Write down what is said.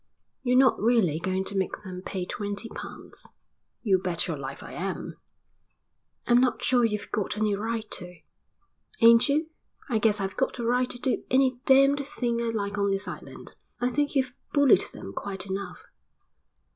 "You're not really going to make them pay twenty pounds?" "You bet your life I am." "I'm not sure you've got any right to." "Ain't you? I guess I've got the right to do any damned thing I like on this island." "I think you've bullied them quite enough."